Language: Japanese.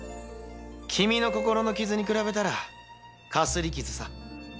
君の心の傷に比べたらかすり傷さ。